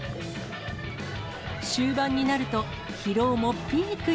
終盤になると、疲労もピークに。